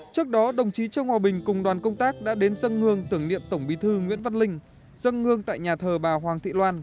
trước đó đồng chí trương hòa bình cùng đoàn công tác đã đến dân hương tưởng niệm tổng bí thư nguyễn văn linh dâng ngương tại nhà thờ bà hoàng thị loan